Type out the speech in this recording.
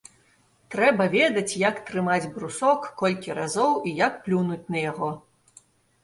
Трэба ведаць, як трымаць брусок, колькі разоў і як плюнуць на яго.